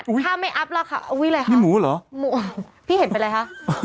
อุ้ยถ้าไม่อัพราคาอุ้ยอะไรครับนี่หมูเหรอหมูพี่เห็นเป็นอะไรฮะ